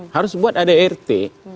harus buat ada rt